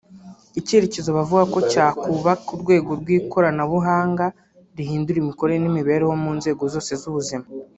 Icyerekezo bavuga ko cyakubaka urwego rw’ikoranabuhanga rihindura imikorere n’imibereho mu nzego zose z’ubuzima